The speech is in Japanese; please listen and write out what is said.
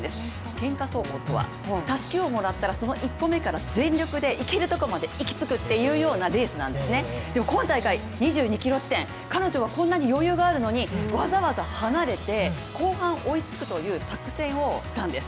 けんか走法とは、たすきをもらったその一歩めから全力で、いけるところまでいきつくというレースなんですね、でも今大会２２ｋｍ地点、彼女はこんなに余裕があるのにわざわざ離れて後半離れるという作戦をしたんです。